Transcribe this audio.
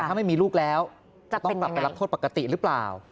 ถ้าไม่มีลูกแล้วจะต้องกลับไปรับโทษปกติหรือเปล่า